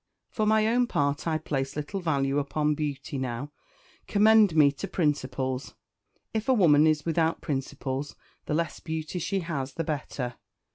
For my own part I place little value upon beauty now; commend me to principles. If a woman is without principles the less beauty she has the better."